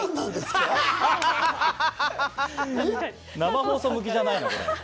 これ生放送向きじゃないな。